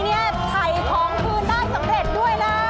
ถ้าตอบถูกข้อนี้ไถของคืนได้สำเร็จด้วยนะ